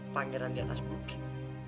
pangeran di atas bukit